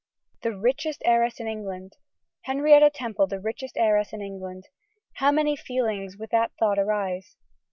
The richest heiress in England! Henrietta Temple the richest heiress in England! Ah! how many feelings with that thought arise!